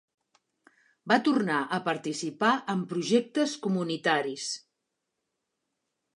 Va tornar a participar en projectes comunitaris.